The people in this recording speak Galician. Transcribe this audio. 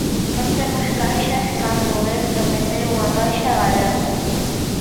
Non temos caixas, cando el prometeu unha caixa galega.